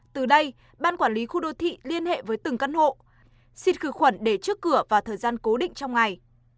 từ đây ban quản lý khu đô thị liên hệ với từng căn hộ xịt khử khuẩn để trước cửa và thời gian cố định trong ngày